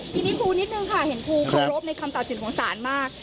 ทีนี้ครูนิดนึงค่ะเห็นครูเคารพในคำตัดสินของศาลมาก